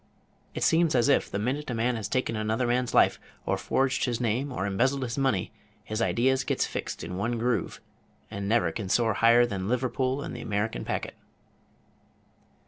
It seems as if the minute a man has taken another man's life, or forged his name, or embezzled his money, his ideas gets fixed in one groove, and never can soar higher than Liverpool and the American packet."